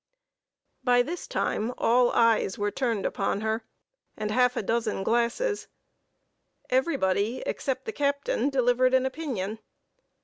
By this time all eyes were turned upon her, and half a dozen glasses. Everybody, except the captain, delivered an opinion.